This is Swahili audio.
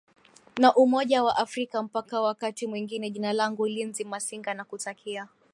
na umoja wa afrika mpaka wakati mwingine jina langu linzi masinga nakutakia